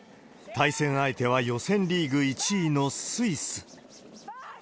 対戦相手は予選リーグ１位のスイス。